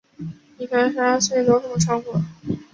你才十二岁，你懂什么炒股？